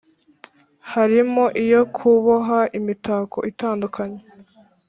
harimo iyo kuboha imitako itandukanye